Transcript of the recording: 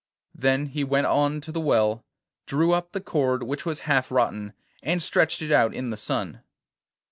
Then he went on to the well, drew up the cord, which was half rotten, and stretched it out in the sun.